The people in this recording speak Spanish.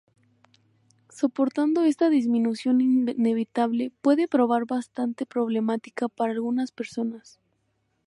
Soportando esta disminución inevitable puede probar bastante problemática para algunas personas.